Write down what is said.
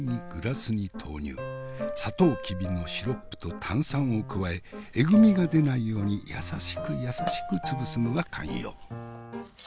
さとうきびのシロップと炭酸を加ええぐみが出ないように優しく優しく潰すのが肝要。